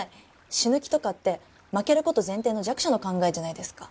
「死ぬ気」とかって負ける事前提の弱者の考えじゃないですか。